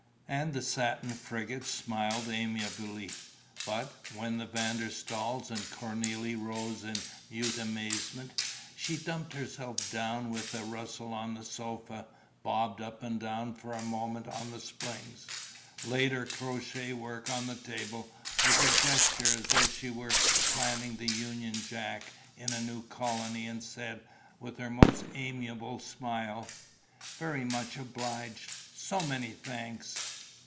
And the Satin Frigate smiled amiably; but, when the Van der Staals and Cornélie rose in mute amazement, she dumped herself down with a rustle on the sofa, bobbed up and down for a moment on the springs, laid her crochet work on the table with a gesture as though she were planting the Union Jack in a new colony and said, with her most amiable smile: "Very much obliged. So many thanks."